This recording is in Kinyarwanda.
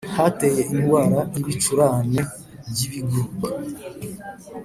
Hateye indwara y’ibicurane by’ibiguruka